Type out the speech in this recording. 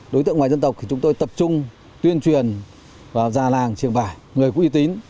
đối tượng ngoài dân tộc thì chúng tôi tập trung tuyên truyền vào già làng trường bài người quý tín